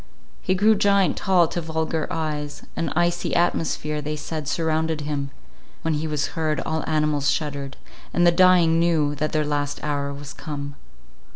He grew giant tall to vulgar eyes; an icy atmosphere, they said, surrounded him; when he was heard, all animals shuddered, and the dying knew that their last hour was come.